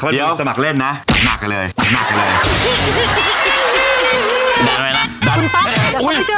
แล้วเอาเวลาไหนมีเวลาไหน